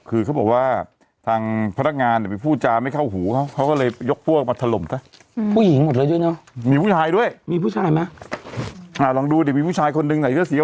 คือจากวันนี้ที่ลูกค้าเนี่ยยกพวกมารุมทำร้ายเจ้าหน้าที่